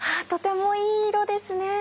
とてもいい色ですね。